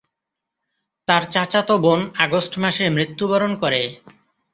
তার চাচাতো বোন আগস্ট মাসে মৃত্যুবরণ করে।